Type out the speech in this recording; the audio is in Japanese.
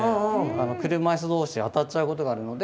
車いす同士当たっちゃうことがあるので。